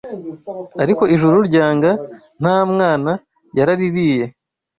ariko Ijuru ryanga Nta mwana yaraririye